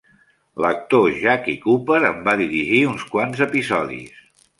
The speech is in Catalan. L'actor Jackie Cooper en va dirigir uns quants episodis.